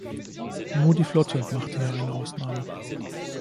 Nur die Flotte machte hier eine Ausnahme.